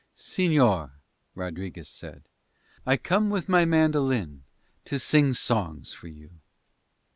"Señor," Rodriguez said, "I come with my mandolin to sing songs to you."